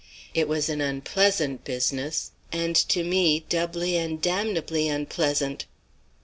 It was an unpleasant business, and to me doubly and damnably unpleasant."